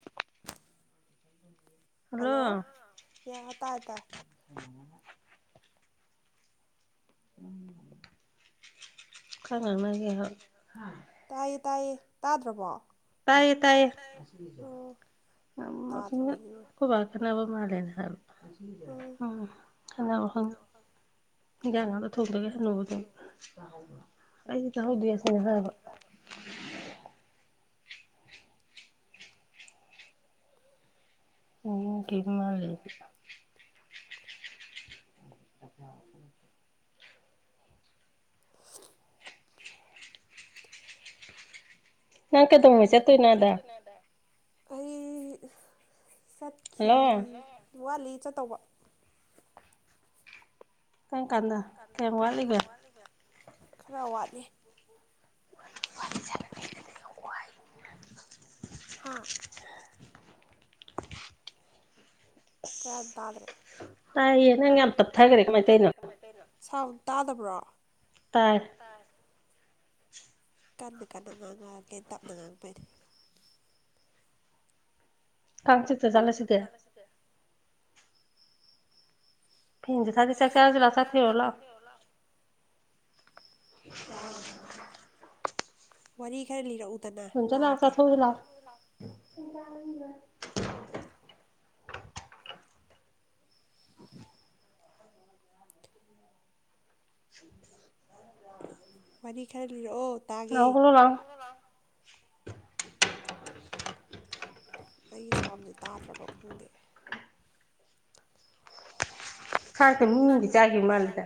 ꯆꯗ ꯃ ꯍꯜꯂꯣ ꯌꯥ ꯇꯥꯏ ꯇꯥꯏ ꯈꯔꯥꯡꯅꯒꯦ ꯍꯥꯏꯜ ꯇꯥꯏꯌꯦ ꯇꯥꯏꯌꯦ ꯇꯥꯗ꯭ꯔꯕꯣ ꯇꯌꯦ ꯇꯌꯦ ꯑ ꯀ ꯋꯥꯅꯕ ꯃꯥꯂꯦꯩꯅ ꯀ ꯑꯅꯥ ꯋꯥꯈꯪꯗ ꯍꯤꯟꯖꯥꯡ ꯉꯥꯛꯇ ꯊꯣꯡꯖꯒꯦ ꯍꯅꯨꯕꯗ ꯑꯩꯁꯨ ꯍꯧꯗꯤꯁꯅ ꯍꯥꯏꯕ ꯎꯝ ꯀꯤꯃ ꯂꯩꯗꯤ [unintelligible] ꯅꯪ ꯀꯩꯗꯧꯉ ꯆꯦ ꯇꯅꯗ ꯑ ꯁꯠꯈꯤꯤ ꯋꯥꯂꯤ ꯆꯠꯇꯧꯕ ꯀꯩꯅ ꯀꯥꯟꯗ ꯀꯃ ꯋꯥꯂꯤꯒ ꯈꯔ ꯋꯥꯠꯂꯤ ꯍꯥꯥ ꯀꯩꯗꯗ꯭ꯔꯦ ꯇꯥꯏ ꯌꯦ ꯅꯪ ꯌꯥꯝ ꯇꯞꯊ ꯍꯥꯏ꯭ꯔꯦ ꯀꯃꯥꯏ ꯇꯅ ꯁꯥꯎ ꯇꯥꯗꯕ꯭ꯔꯣ ꯀꯟꯅ ꯀꯟꯅ ꯉꯥꯡꯉꯛꯑꯒꯦ ꯇꯞꯅ ꯉꯥꯡꯕꯩꯔ ꯀꯥꯟ ꯆꯛꯇ ꯆꯂ ꯁꯤꯗ ꯐꯤꯖ ꯊꯗꯤ ꯆꯁꯖꯤꯂ ꯁꯥ ꯊ ꯑꯣꯂꯥ ꯑ ꯋꯥꯔꯤ ꯈꯔ ꯂꯤꯔꯛꯎꯗꯅ ꯇꯥꯒꯦ [unintelligible] ꯋꯥꯔꯤ ꯈꯔ ꯂꯤꯔꯛꯑꯣ ꯇꯥꯒꯦ [unintelligible] ꯑꯩꯒꯤ ꯁꯥꯎꯟꯁꯦ ꯇꯥꯗ꯭ꯔꯕ ꯈꯪꯗꯦ ꯈꯛꯇ ꯃꯤ ꯑꯃꯗꯤꯗꯤ ꯆꯥꯈꯤꯕ ꯃꯥꯜꯂꯤꯦ ꯗ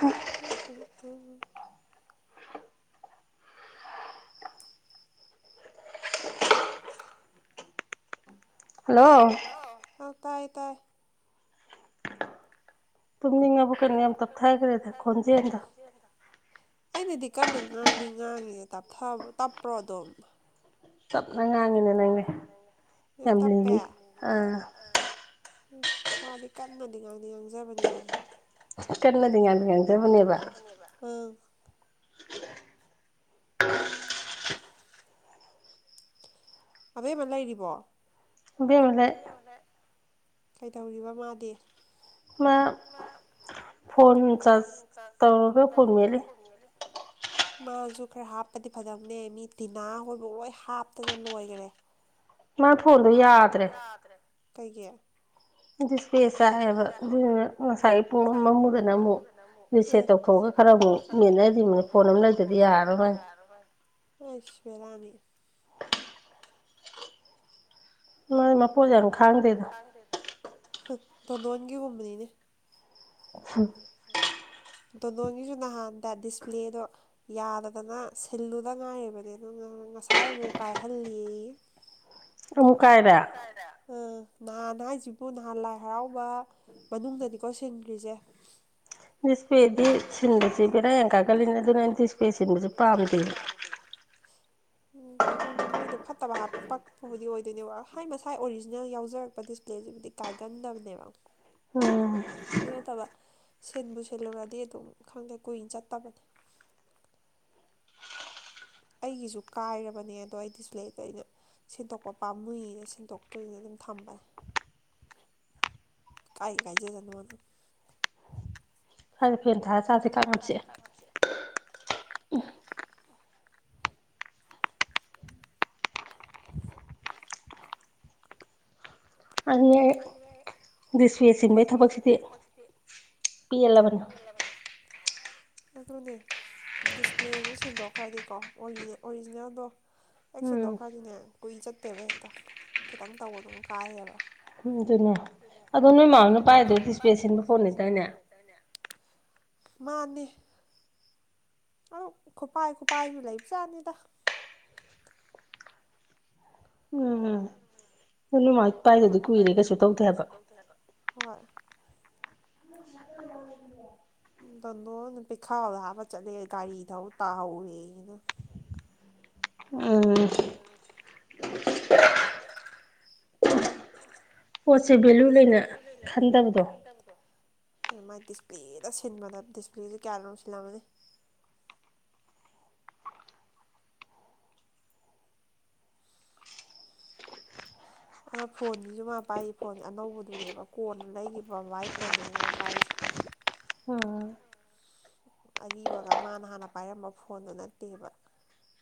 ꯍ ꯍꯜꯂꯣ ꯇꯥꯏ ꯇꯥꯏ ꯕꯨ ꯀꯅꯤ ꯌꯥꯝ ꯑꯃ ꯇꯞꯊ ꯀꯔꯦꯗ ꯈꯣꯖꯗ ꯑꯩꯅꯗꯤ ꯀꯟꯅ ꯉꯥꯡꯗꯤ ꯉꯥꯡꯉꯤꯞ ꯇꯞꯄ꯭ꯔꯣ ꯑꯗꯨꯣ ꯆꯞꯅ ꯉꯥꯡꯉꯤꯅꯦ ꯅꯪꯅꯦ ꯌꯥꯝ ꯂꯩꯔꯤ ꯑꯥ ꯎꯝ ꯋꯥꯗꯤ ꯀꯟꯅꯗꯤ ꯉꯥꯡꯗꯤ ꯉꯥꯡꯖꯕꯅꯦ ꯑꯩꯁꯦ ꯀꯩꯅꯗꯤ ꯌꯥꯝꯗꯒꯗ ꯍꯅꯦꯕ [unintelligible] ꯑꯕꯦꯝ ꯑꯃ ꯂꯩꯔꯤꯕꯣ ꯑꯦꯝ ꯂꯩ ꯀꯩꯗꯧꯔꯤꯕ ꯃꯥꯗꯤꯦ ꯃꯥ ꯐꯣꯟ ꯆꯥꯔꯖ ꯇꯧꯔꯒ ꯐꯣꯟ ꯃꯦꯜꯂꯦ [unintelligible] ꯃꯥꯁꯨ ꯈꯔ ꯍꯥꯞꯄꯗꯤ ꯐꯖꯕꯅꯦ ꯃꯤ ꯇꯤꯅꯥ ꯍꯣꯏꯕ ꯂꯣꯏ ꯍꯥꯞꯇꯅ ꯂꯣꯏꯈꯔꯦ ꯃ ꯊꯣꯗ ꯌꯥꯗꯔꯦ ꯀꯩꯀꯦ ꯑꯩ ꯏꯁꯄꯦꯁ ꯆꯥꯏꯑꯦꯕ ꯑꯗꯨꯗꯨꯅ ꯉꯁꯥꯏ ꯄꯨꯡ ꯑꯃ ꯑꯃꯃꯨꯗꯅ ꯑꯃꯨꯛ ꯔꯤꯁꯦꯠ ꯇꯧꯊꯣꯛꯑꯒ ꯈꯔ ꯃꯅꯦꯗꯤ ꯐꯣꯟ ꯑꯃ ꯂꯩꯗꯗꯤ ꯌꯥꯔ ꯃꯥ ꯁꯃꯤꯔꯥꯅꯤ [unintelligible] ꯃꯥꯣꯏ ꯃꯄꯣꯠꯁꯦ ꯌꯥꯝ ꯈꯥꯡꯗꯦꯗꯣ ꯊꯗꯣꯣꯟꯒꯤ ꯍꯕꯅꯤꯅꯦ ꯎ ꯗꯣꯅꯣꯟꯒꯤꯁꯨ ꯅꯍꯥꯟꯗ ꯗꯤꯁꯄ꯭ꯂꯦꯗꯣ ꯌꯥꯗꯗꯅ ꯁꯤꯜꯂꯨꯗ ꯉꯥꯏꯔꯤꯕꯅꯦ ꯑꯗꯨꯅꯨꯡꯥꯏ ꯉꯁꯥꯏ ꯑꯃꯨꯛ ꯀꯥꯏꯍꯜꯂꯤ [unintelligible] ꯑꯣ ꯀꯗ ꯎꯝ ꯅꯍꯥꯟ ꯍꯥꯏꯁꯤꯕꯨ ꯅꯍꯥꯟ ꯂꯥꯏ ꯍꯔꯥꯎꯕ ꯃꯅꯨꯡꯗꯅꯤꯀꯣ ꯁꯤꯟꯗ꯭ꯔꯤꯁꯦ ꯗꯤꯁꯄꯦꯗꯤ ꯁꯤꯟꯕꯁꯦ ꯕꯦꯔꯥꯌꯦꯡ ꯀꯥꯒꯠꯜꯂꯤꯅꯤ ꯑꯗꯨꯅ ꯑꯩꯅ ꯗꯤꯁꯄꯦ ꯁꯤꯟꯕꯁꯦ ꯄꯥꯝꯗꯦ [unintelligible] ꯎꯝ ꯊꯨꯅ ꯃꯣꯏꯗꯣ ꯐꯠꯇꯕ ꯍꯥꯞꯄꯛꯄꯕꯨꯗꯤ ꯑꯣꯏꯗꯣꯏꯅꯦꯕ ꯍꯥꯏ ꯃꯁꯥꯏ ꯑꯣꯔꯤꯖꯤꯅꯦꯜ ꯌꯥꯎꯖꯔꯛꯄ ꯗꯤꯄ꯭ꯂ ꯕꯨꯗꯤ ꯀꯥꯏꯒꯟꯗꯕꯅꯦꯕ ꯅꯠꯇꯕ ꯁꯤꯟꯕꯨ ꯊꯦꯂꯨꯔꯗꯤ ꯑꯗꯨꯝ ꯈꯪꯗꯦ ꯀꯨꯏꯅ ꯆꯠꯇꯕꯅꯤ ꯑꯩꯒꯤꯁꯨ ꯀꯥꯏꯔꯕꯅꯦ ꯑꯗꯣ ꯑꯩ ꯗꯤꯁꯄ꯭ꯂꯦꯗꯣ ꯑꯩꯅ ꯁꯦꯡꯇꯣꯛꯄ ꯄꯥꯝꯃꯨꯏꯅ ꯁꯦꯡꯇꯣꯛꯇꯣꯏꯔꯤꯅ ꯑꯗꯨꯝ ꯊꯝꯕꯅꯦ ꯀꯥꯏ ꯀꯥꯏꯖꯦ ꯆꯂ ꯑꯅ ꯐꯗꯦ ꯐꯦꯟ ꯊꯥꯔ ꯆꯥꯁꯦ ꯀꯥꯉꯝꯁꯦ ꯑꯦ ꯗꯤꯁꯄꯦ ꯆꯟꯕꯒꯤ ꯊꯕꯛꯁꯤꯗꯤ ꯄꯦꯜꯦꯜꯂꯕꯅ ꯑꯗꯨꯅꯦ ꯗꯤꯁꯄ꯭ꯂꯦꯗ ꯁꯤꯟꯗꯣꯛꯈ꯭ꯔꯗꯤꯀꯣ ꯑꯣꯔꯤꯖꯤꯅꯦꯜꯗꯣ ꯍꯦꯛ ꯁꯟꯗꯣꯛꯈ꯭ꯔꯗꯤꯅꯦ ꯀꯨꯏ ꯆꯠꯇꯦꯕ ꯍꯦꯛꯇ ꯈꯤꯇꯪ ꯇꯧꯕ ꯑꯗꯨꯝ ꯀꯥꯏꯌꯦꯕ ꯎꯝ ꯑꯗꯨꯅꯦ ꯑꯗꯣ ꯅꯣꯏ ꯃꯃꯥꯅꯄꯥꯥꯏꯗꯣꯏ ꯗꯤꯁꯄꯦꯠ ꯁꯤꯟꯕ ꯈꯣꯠꯅꯦ ꯇꯏꯅꯦ ꯃꯥꯅꯤ ꯑꯪ ꯈꯨꯄꯥꯏ ꯈꯨꯣꯄꯥꯏꯁꯨ ꯂꯩꯕ ꯆꯥꯅꯤꯗ ꯄꯥꯏꯕꯗꯤ ꯀꯨꯏꯔꯦ ꯀꯩꯁꯨ ꯇꯧꯊꯕ ꯗꯗꯣꯅ ꯄꯤꯈꯥꯗꯕ ꯆꯂ ꯒꯥꯔꯤ ꯊ ꯇꯥꯔꯦꯅ [unintelligible] ꯄꯣꯠꯁꯦ ꯚꯦꯂꯨ ꯂꯩꯅ ꯈꯟꯗꯕꯗꯣ ꯃꯥꯏ ꯗꯤꯁꯄ꯭ꯂꯦꯗ ꯁꯤꯟꯕꯗ ꯗꯤꯁꯄ꯭ꯂꯦꯁꯦ ꯀꯌꯥ ꯂꯣꯁꯤꯜꯂꯝꯃꯅꯤ ꯑ ꯐꯣꯟꯗꯨꯁꯨ ꯃꯥ ꯄꯥꯏ ꯐꯣꯟ ꯑꯅꯧꯕꯗꯨꯅꯦꯕ ꯀꯣꯟꯅ ꯂꯩꯈꯤꯕ ꯃꯥꯏꯒꯤ ꯐꯣꯟꯗꯨꯅꯦ ꯃꯥ ꯄꯥꯏꯔꯤꯁꯦ ꯎꯝ ꯑꯏꯔꯤꯕꯒ ꯃꯥꯅ ꯍꯥꯟꯅ ꯄꯥꯏꯔꯝꯕ ꯐꯣꯟꯗꯨ ꯅꯠꯇꯦꯕ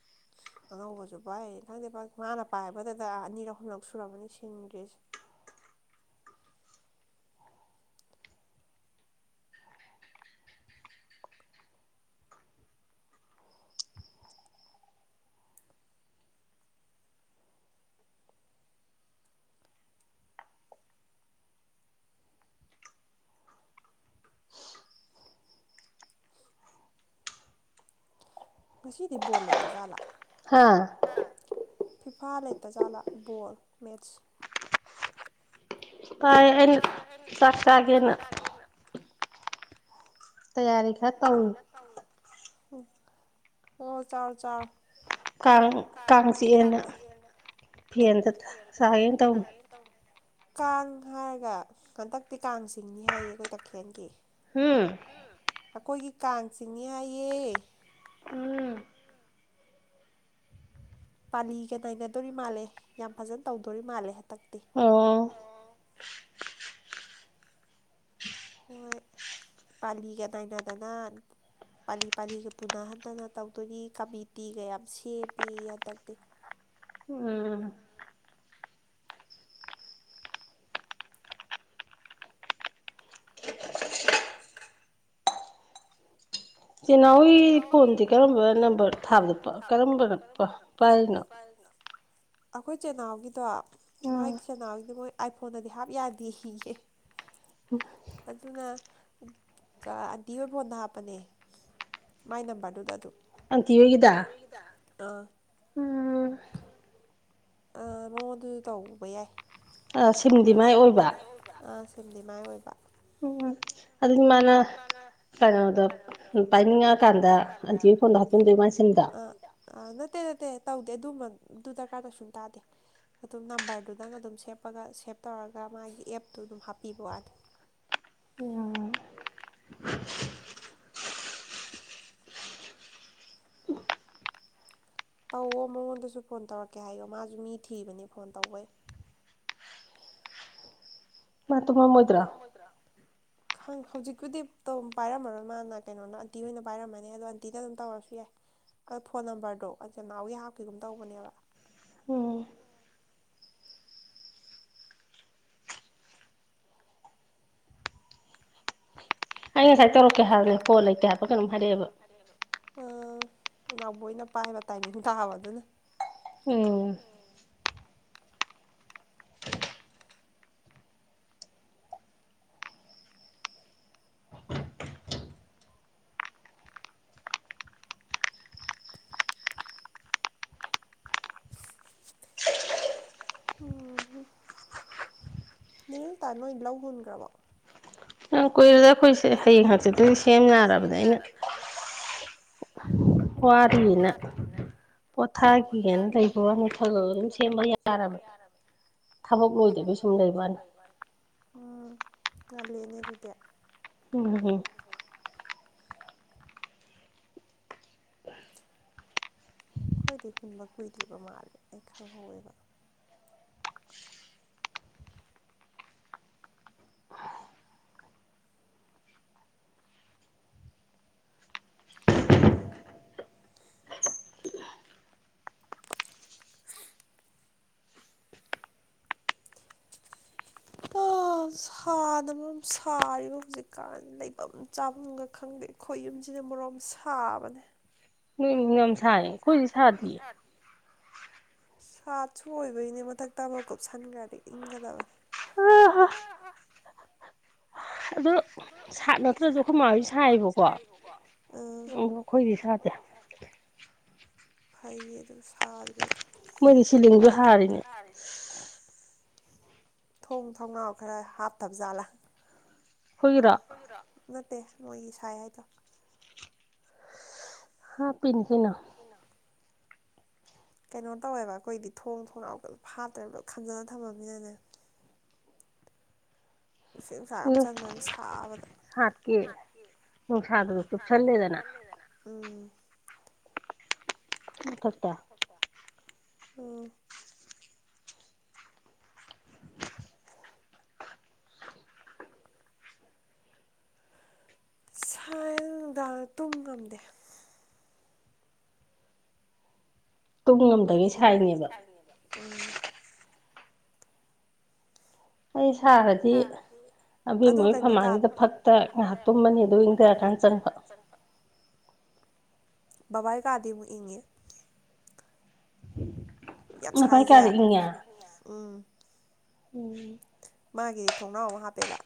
[unintelligible] ꯑꯉꯧꯕꯁꯨ ꯚꯥꯏ ꯈꯪꯗꯦ ꯃꯥꯅ ꯄꯥꯏꯕꯗꯨꯗ ꯑꯅꯤꯔ ꯑꯍꯨꯝꯂꯛ ꯁꯨꯔꯕꯅꯤ ꯁꯤꯟꯗ꯭ꯔꯦꯁꯦ [unintelligible] ꯉꯁꯤꯗꯤ ꯕꯣꯜ ꯂꯩꯇ ꯖꯥꯠꯂꯥ ꯐꯤꯐꯥ ꯂꯩꯇ ꯖꯥꯂꯥ ꯕꯣꯜ ꯃꯦꯠꯁ ꯇꯥꯏ ꯆꯀꯒꯦꯅ ꯇꯌꯥꯔꯤ ꯈ ꯇꯧ ꯑꯣ ꯆꯔ ꯆꯜ ꯀꯥꯡ ꯀꯥꯡ ꯆꯤꯛꯑꯦꯅ ꯐꯗꯠꯇ ꯁꯥꯒꯦꯅ ꯇꯧꯅꯤ ꯀꯥꯡ ꯍꯥꯏꯔꯒ ꯍꯟꯇꯛꯇꯤ ꯀꯥꯡꯆꯤꯡꯅꯤ ꯍꯥꯏꯌꯦ ꯑꯩꯈꯣꯏ ꯇꯈꯦꯜꯒꯤ ꯍꯝ ꯑꯥꯈꯣꯏꯒꯤ ꯀꯥꯡ ꯆꯤꯡꯅꯤ ꯍꯥꯏꯌꯦ ꯄꯥꯂꯤꯒ ꯅꯥꯏꯅꯗꯣꯔꯤ ꯃꯥꯜꯂꯦ ꯌꯥꯝ ꯐꯖꯅ ꯇꯧꯗꯣꯔꯤ ꯃꯥꯜꯂꯦ ꯍꯟꯇꯛꯇꯤ [unintelligible] ꯍꯣꯏ ꯄꯥꯜꯂꯤꯒꯅꯏꯅꯗꯅ ꯄꯥꯂꯤ ꯄꯥꯂꯤꯒ ꯄꯨꯅꯍꯟꯗꯅ ꯇꯧꯗꯣꯏꯅꯤ ꯀꯃꯤꯇꯤꯒ ꯌꯥꯝ ꯁꯦꯝꯃꯤ ꯍꯟꯗꯛꯇꯤ ꯆ‌ꯦꯅꯥꯎꯒꯤ ꯐꯣꯟꯗꯤ ꯀꯔꯝꯕ ꯅꯝꯕꯔ ꯊꯥꯕꯗꯣ ꯄ ꯀꯔꯝꯕꯅꫭ ꯄꯥꯏꯔꯤꯅꯣ [unintelligible] ꯑꯈꯣꯏ ꯆ‌ꯦꯅꯥꯎꯒꯤꯗꯣ ꯃꯥꯏ ꯆꯦꯅꯥꯎꯒꯤ ꯃꯣꯏ ꯑꯥꯏꯐꯣꯟꯗꯗꯤ ꯍꯥꯞ ꯌꯥꯗꯦ ꯍꯤꯍ‍ꯦ [unintelligible] ꯑꯗꯨꯅ ꯆꯥ ꯑꯟꯇꯤ ꯍꫭꯏ ꯐꯣꯟꯗ ꯍꯥꯞꯄꯅꯦ ꯃꯥꯏ ꯅꯝꯕꯔꯗꯨꯗ ꯑꯗꯨꯝ ꯑꯟꯇꯤ ꯍꫭꯏꯒꯤꯗ ꯑ ꯑ ꯃꯉꯣꯟ ꯑꯖꯨ ꯇꯧꯕ ꯌꯥꯏ ꯁꯤꯝꯗꯤ ꯃꯥꯏ ꯑꯣꯏꯕ ꯁꯤꯝꯗꯤ ꯃꯥꯏ ꯑꯣꯏꯕ ꯎꯝ ꯎꯝ ꯑꯗꯨꯗꯤ ꯃꯅꯥ ꯑ ꯑ ꯅꯠꯇ‌ꯦ ꯅꯠꯇꯦ ꯇꯧꯗꯦ ꯑꯗꯨꯃꯟ ꯑꯗꯨ ꯗꯔꯀꯥꯔ ꯇꫭ ꯁꯨꯡ ꯇꯥꯗꯦ ꯑꯗꯨꯝ ꯅꯝꯕꯔꯗꯨ ꯗꯪ ꯑꯗꯨꯝ ꯁꯦꯞꯄꯒ ꯁꯦꯞ ꯇꯧꯔꯒ ꯃꯥꯒꯤ ꯑꯦꯞꯇꯨ ꯑꯗꯨꯝ ꯍꯥꯞꯄꯤꯕ ꯋꯥꯅꯤ ꯑꯣ ꯇꯧꯑꯣ ꯃꯉꯣꯟꯗꯁꯨ ꯐꯣꯟ ꯇꯧꯔꯛꯀꯦ ꯍꯥꯏꯌꯣ ꯃꯥꯖꯨ ꯃꯤ ꯊꯤꯕꯅꯦ ꯐꯣꯟ ꯇꯧꯕꯩ ꯃꯥ ꯇꯨꯝꯃꯝ ꯃꫭꯏꯗ꯭ꯔꫭ ꯈꯪ ꯍꯧꯖꯤꯛꯄꯨꯗꯤ ꯇꯧ ꯄꯥꯏꯔꯝꯃꯔꯣꯏ ꯃꯥꯅ ꯀꯩꯅꯣꯅ ꯑꯟꯇꯤ ꯑꯣꯏꯅ ꯄꯥꯏꯔꯝꯃꯅꯤ ꯑꯗꯣ ꯑꯟꯇꯤꯗ ꯑꯗꯨꯝ ꯇꯧꯔꯁꯨ ꯌꯥꯏ ꯃꫭꯏ ꯐꯣꯟ ꯅꯝꯕꯔꯗꯣ ꯑꯥ ꯆ‌ꯦꯅꯥꯎꯒꯤ ꯍꯞꯀꯤꯒꯨꯝ ꯇꯧꯕꯅꯦꯕ ꯑꯣ ꯑꯩ ꯉꯁꯥꯏ ꯇꯧꯔꯛꯀꯦ ꯍꯥꯏꯕꯅꯦ ꯐꫭꯜ ꯂꯩꯇꯦ ꯍꯥꯏꯄ ꯀꯩꯅꯣꯝ ꯍꯥꯏꯔꯛꯑꯦꯕ ꯑ ꯅꯥꯎꯕꫭꯏꯅ ꯄꯥꯏꯕ ꯇꯥꯏꯃꯤꯡ ꯇꯥꯕ ꯑꯗꯨꯅ ꯎꯝ ꯅ‌ꯦꯅꯤꯇꯥꯜ ꯍꫭꯏ ꯂꯧ ꯍꯨꯟꯒ꯭ꯔꯕꫭ ꯪ ꯌꯥꯝ ꯀꯨꯏꯂ‌ꯦ ꯑꯩꯈꯣꯏꯁꯦ ꯍꯌꯦꯡ ꯍꯥꯡꯆꯤꯠꯇꯤ ꯁꯦꯝꯌꯔꯕꯅ‌ꯦ ꯑꯩꯅ ꯋꯥꯠꯂꯤꯅ ꯄꯣꯊꯥꯈꯤꯒ‌ꯦꯅ ꯂꯩꯕꯋꯅꯤ ꯈ ꯈ ꯑꯗꯨꯝ ꯁꯦꯝꯕ ꯌꯥꯔꯕꯅꯦ ꯎꯝ ꯀꯜ ꯂ‌ꯦꯅꯦ ꯑꯗꯨꯗꯤ ꯍꯝ ꯍꯝ ꯑꯩꯈꯣꯏꯗꯤ ꯍꯨꯟꯕ ꯀꯨꯏꯗ꯭ꯔꯤꯕ ꯃꯥꯜꯂꯦ ꯑꯩ ꯈꯪꯍꯧꯋꯦꯕ [unintelligible] [unintelligible] ꯑꯁ ꯁꯥꯗꯕ ꯁꯥꯔꯤꯕ ꯍꯧꯖꯤꯛꯀꯥꯟ ꯂꯩꯐꯝ ꯆꯥꯐꯝꯒ ꯈꯪꯗꯦ ꯑꯩꯈꯣꯏ ꯌꯨꯝꯖ‌ꯦ ꯃꯔꫭꯝ ꯁꯥꯕꯅꯦ ꯅꫭꯏ ꯌꯨꯝꯗꫭ ꯌꯝ ꯁꯥꯏꯌ‌ꯦ ꯑꯩꯈꫭꯏꯗꯤ ꯁꯥꯗ‌ꯦꯌ‌ꯦ ꯁꯥꯠꯁꯨ ꯑꯣꯏꯕꯩꯅꯦ ꯃꯊꯛꯇ ꯑꯃ ꯀꯨꯞꯁꯟꯒ꯭ꯔꯗꯤ ꯏꯪꯒꯗꯕ ꯑ ꯍ ꯑꯗꯨ ꯁꯥꯠ ꯅꯠꯇ꯭ꯔꯁꯨ ꯑꯈꫭꯏ ꯃꯥꯍꯣꯏ ꯁꯥꯏꯕꯀꯣ ꯑꯗꫭ ꯑꯩꯈꯣꯏꯗꯤ ꯁꯥꯗꯦ [unintelligible] ꯐꯩꯌꯦ ꯑꯗꯨ ꯁꯥꯗ꯭ꯔꯤꯗꫭ ꯃꫭꯏꯗꯤ ꯁꯤꯂꯤꯡꯖꯨ ꯍꯥꯔꯤꯅꯦ ꯊꯣꯡ ꯊꯣꯡꯅꯥꯎ ꯈꯔ ꯍꯥꯞꯇꯕ ꯖꯥꯠꯂꯥ ꯅꯠꯇꯦ ꯃꯣꯏꯒꯤ ꯁꯥꯏ ꯍꯥꯏꯗꯣ ꯍꯥꯞ ꯄꯤꯅꯤ ꯀꯩꯅꯣ ꯀꯩꯅꯣ ꯇꯧꯋꯦꯕ ꯑꯩꯈꯣꯏꯗꯤ ꯊꯣꯡ ꯊꯣꯡꯅꯥꯥꯎ ꯀꯔꯤꯑꯃ ꯐꯥꯠꯇ꯭ꯔꯦꯕ ꯈꯟꯖꯜꯂꯒ ꯊꯝꯃꯃꯤꯅꯅꯦ [inaudible] ꯅꯨꯡꯁꯤ ꯅꯨꯡꯁꯤ ꯑꯝ ꯆꯡꯗꯔꯕꯅꯤꯅ ꯁꯥꯕꯗ ꯅꯨꯡꯁꯥꯗꯨꯁꯨ ꯆꯨꯞꯁꯜ ꯂꯦꯗꯅ ꯐꯠꯠꯇ [unintelligible] ꯎꯝ ꯁꯥꯏꯗ ꯅꯨꯡꯗꯥꯡꯒ ꯇꯨꯝ ꯉꯝꯗꯦ ꯇꯨꯝ ꯉꯝꯗꯒꯩ ꯁꯥꯔꯤꯅꯦꯕ ꯑꯩ ꯁꯥꯔꯗꯤ ꯑꯕꯦꯝꯃꯒꯤ ꯐꯃꯥꯡꯁꯤꯗ ꯐꯛꯇ ꯉꯥꯏꯍꯥꯛꯇꯨꯝꯃꯅꯤ ꯑꯗꯨ ꯏꯪꯊꯔꯀꯥꯟꯗ ꯆꯠ ꯀꯥꯟ ꯆꯪꯕ [inaudible] ꯕꯕꯥꯏ ꯀꯥꯗꯤ ꯑꯃꯨꯛ ꯏꯪꯉꯦ ꯌꯥꯝ ꯁꯥꯏꯁꯦ ꯎꯝ ꯃꯥꯒꯤ ꯊꯣꯡꯅꯥꯎ ꯑꯃ ꯍꯥꯞꯄꯦꯕ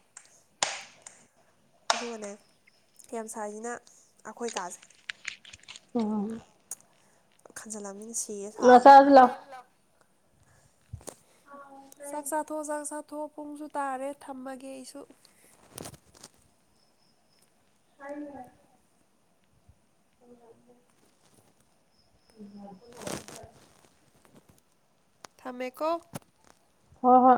ꯑꯗꯨꯒꯅꯦ ꯌꯥꯝꯁꯥꯏꯁꯤꯅ ꯑꯩꯈꯣꯏ ꯀꯥꯁꯦ ꯑꯣ ꯈꯟꯖꯤꯜꯂ ꯕꯅꯤꯅ ꯁꯤꯔꯦ ꯁꯥꯕꯗ ꯁꯥꯛ ꯁꯊ ꯁ [unintelligible] ꯊꯣꯛꯑꯣ ꯄꯨꯡꯁꯨ ꯇꯥꯔꯦ ꯊꯝꯃꯒꯦ ꯑꯩꯁꯨ ꯍꯥꯏꯅꯦ ꯎꯝ ꯎ ꯇꯣ ꯆꯔ [unintelligible] ꯊꯝ ꯃꯦꯀꯣ ꯍꯣꯏ ꯍꯣꯏ